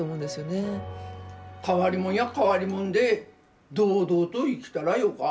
変わりもんや変わりもんで堂々と生きたらよか。